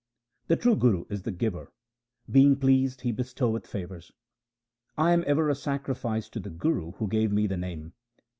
The true Guru is the giver ; being pleased he bestoweth favours. I am ever a sacrifice to the Guru who gave me the Name.